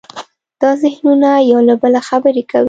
دا ذهنونه یو له بله خبرې کوي.